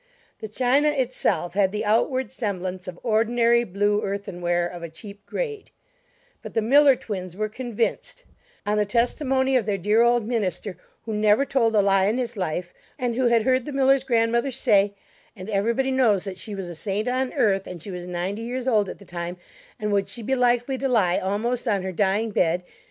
The china, itself, had the outward semblance of ordinary blue earthen ware of a cheap grade; but the Miller twins were convinced (on the testimony of their dear old minister, who never told a lie in his life, and who had heard the Millers' grandmother say and everybody knows that she was a saint on earth, and she was ninety years old at the time, and would she be likely to lie almost on her dying bed?